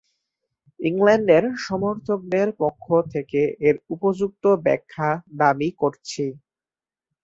ইংল্যান্ডের সমর্থকদের পক্ষ থেকে এর উপযুক্ত ব্যাখ্যা দাবী করছি।